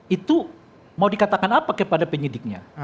itu mau dikatakan apa kepada penyidiknya